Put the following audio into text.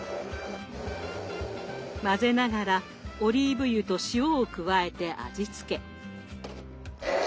混ぜながらオリーブ油と塩を加えて味付け。